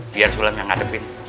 biar sulam yang ngadepin